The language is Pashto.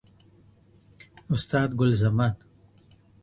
استاد ګل زمان